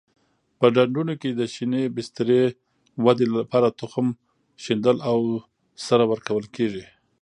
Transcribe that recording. په ډنډونو کې د شینې بسترې ودې لپاره تخم شیندل او سره ورکول کېږي.